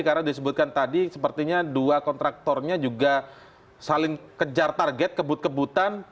karena disebutkan tadi sepertinya dua kontraktornya juga saling kejar target kebut kebutan